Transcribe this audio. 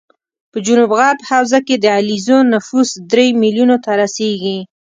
په جنوب غرب حوزه کې د علیزو نفوس درې ملیونو ته رسېږي